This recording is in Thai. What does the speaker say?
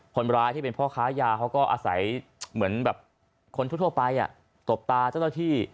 คนร้ายที่เป็นพ่อค้ายาเขาก็อาศัยเหมือนแบบคนทั่วไปตบตาเจ้าหน้าที่